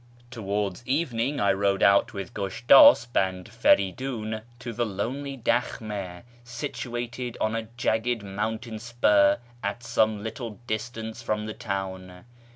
Towards evening I rode out with Gushtasp and Feridun to the lonely dak]i7ii6 situated on a jagged mountain spur at some little distance from the town.